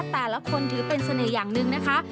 แต่ละคนถือเป็นเสน่ห์อย่างหนึ่งนะคะ